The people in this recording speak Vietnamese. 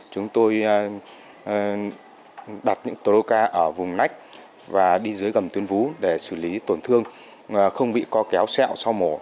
chúng tôi đặt những troca ở vùng nách và đi dưới gầm tuyến vú để xử lý tổn thương không bị có kéo sẹo sau mổ